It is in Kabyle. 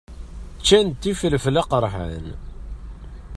Ččant ifelfel aqeṛḥan.